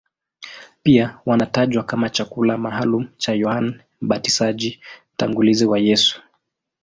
Pia wanatajwa kama chakula maalumu cha Yohane Mbatizaji, mtangulizi wa Yesu.